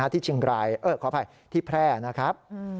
ที่เชียงรายขออภัยที่แพร่นะครับ